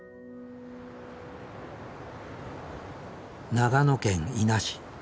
長野県伊那市。